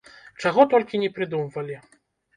Чаго толькі не прыдумвалі.